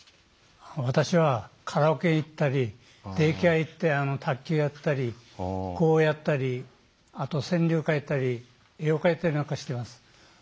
私はカラオケ行ったりデイケア行って卓球やったり碁をやったりあと川柳書いたり絵を描いたりなんかしてます。